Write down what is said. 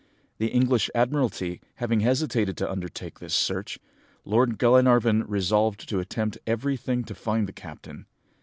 The English Admiralty having hesitated to undertake this search, Lord Glenarvan resolved to attempt everything to find the captain.